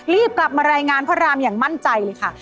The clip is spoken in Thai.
รีบกลับมารายงานพระรามอย่างมั่นใจเลยค่ะ